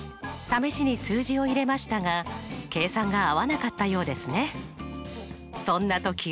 試しに数字を入れましたが計算が合わなかったようですね。